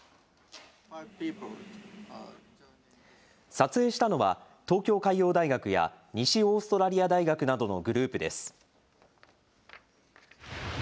撮影したのは東京海洋大学や西オーストラリア大学などのグループです。